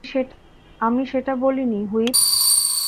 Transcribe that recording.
আমি সেটা বলিনি, হুইপ।